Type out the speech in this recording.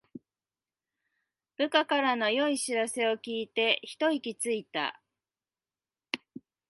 部下からの良い知らせを聞いてひと息ついた